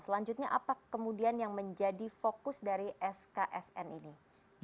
selanjutnya apa kemudian yang menjadi fokus dari sksn ini